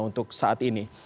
untuk saat ini